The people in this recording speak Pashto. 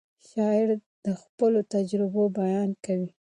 شاعر د خپلو تجربو بیان کوي.